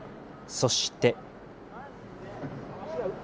そして。